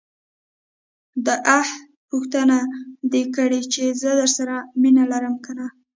داح پوښتنه دې کړې چې زه درسره مينه لرم که نه.